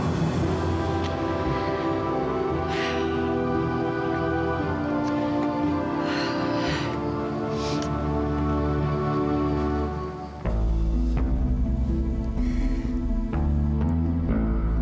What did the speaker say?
dan istri kurnia